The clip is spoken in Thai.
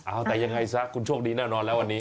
เอาแต่ยังไงซะคุณโชคดีแน่นอนแล้ววันนี้